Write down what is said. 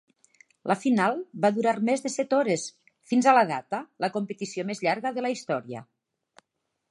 La final va durar més de set hores, fins a la data, la competició més llarga de la història.